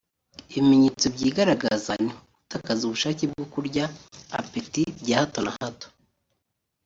Ibimenyetso byigaragaza ni nko gutakaza ubushake bwo kurya (appétit) bya hato na hato